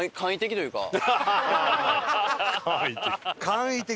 簡易的。